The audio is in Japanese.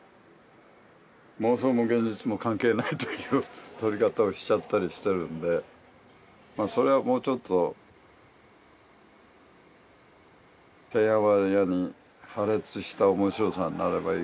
妄想も現実も関係ないという撮り方をしちゃったりしてるのでまあそれはもうちょっとてんやわんやに破裂した面白さになればいいかなと思っています。